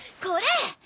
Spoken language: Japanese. これ！